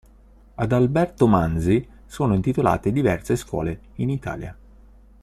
Ad Alberto Manzi sono intitolate diverse scuole in Italia.